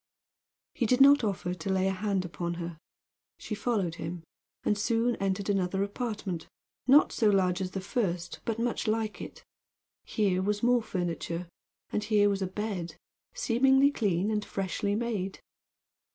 He did not offer to lay a hand upon her. She followed him, and soon entered another apartment, not so large as the first, but much like it. Here was more furniture, and here was a bed, seemingly clean and freshly made.